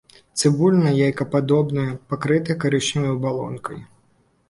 Цыбуліна яйкападобная, пакрыта карычневай абалонкай.